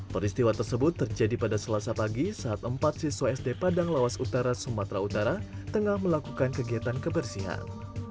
peristiwa tersebut terjadi pada selasa pagi saat empat siswa sd padang lawas utara sumatera utara tengah melakukan kegiatan kebersihan